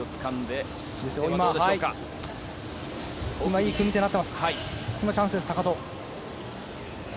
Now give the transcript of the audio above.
いい組み手になっています。